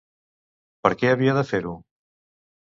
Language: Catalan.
Per què havia de fer-ho?